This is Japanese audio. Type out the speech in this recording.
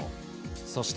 そして。